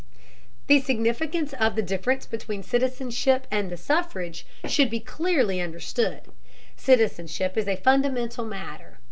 The significance of the difference between citizenship and the suffrage should be clearly understood. Citizenship is a fundamental matter.